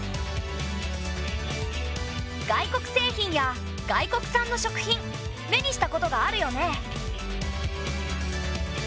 外国製品や外国産の食品目にしたことがあるよね。